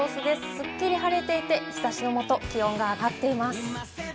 すっきり晴れていて日差しのもと、気温が上がっています。